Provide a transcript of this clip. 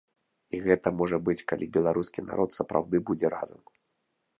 І гэта можа быць, калі беларускі народ сапраўды будзе разам.